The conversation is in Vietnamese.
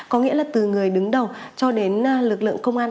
có nghĩa là từ người đứng đầu cho đến lực lượng công an